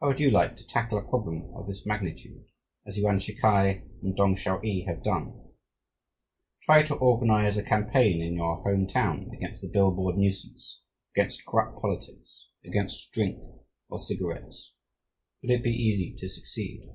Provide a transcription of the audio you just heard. How would you like to tackle a problem of this magnitude, as Yuan Shi K'ai and Tong Shao i have done? Try to organize a campaign in your home town against the bill board nuisance; against corrupt politics; against drink or cigarettes. Would it be easy to succeed?